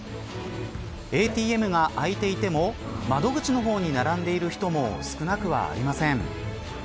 ＡＴＭが空いていても窓口の方に並んでいる人も少なくはありません。